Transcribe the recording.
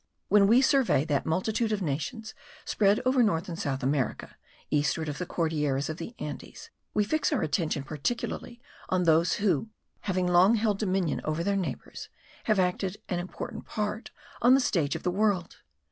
When we survey that multitude of nations spread over North and South America, eastward of the Cordilleras of the Andes, we fix our attention particularly on those who, having long held dominion over their neighbours, have acted an important part on the stage of the world.